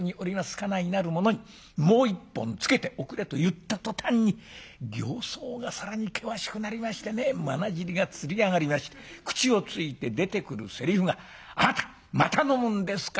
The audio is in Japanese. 家内なる者に『もう一本つけておくれ』と言った途端に形相が更に険しくなりましてねまなじりがつり上がりまして口をついて出てくるセリフが『あなたまた飲むんですか？』